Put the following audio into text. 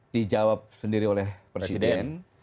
dijawab sendiri oleh presiden